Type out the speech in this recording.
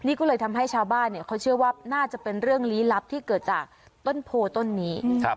นี่ก็เลยทำให้ชาวบ้านเขาเชื่อว่าน่าจะเป็นเรื่องลี้ลับที่เกิดจากต้นโพต้นนี้